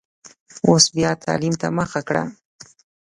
اوس بیا تعلیم ته مخه کړه.